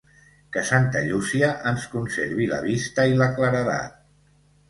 Que Santa Llúcia ens conservi la vista i la claredat.